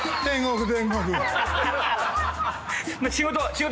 仕事！